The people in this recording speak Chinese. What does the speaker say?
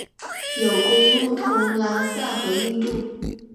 有公路通拉萨和印度。